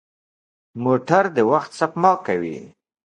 موټر د وخت سپما کوي.